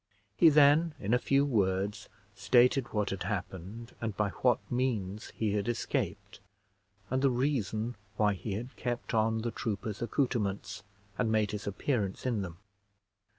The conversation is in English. He then, in a few words, stated what had happened, and by what means he had escaped, and the reason why he had kept on the trooper's accouterments, and made his appearance in them.